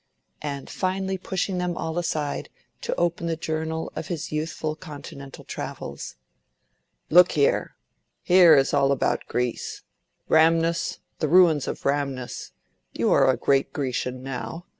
and finally pushing them all aside to open the journal of his youthful Continental travels. "Look here—here is all about Greece. Rhamnus, the ruins of Rhamnus—you are a great Grecian, now.